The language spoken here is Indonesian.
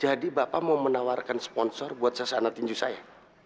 jadi bapak mau menawarkan sponsor buat sasana tinju saya